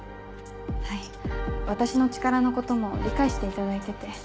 はい私の力のことも理解していただいてて。